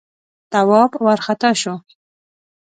تواب وارخطا شو: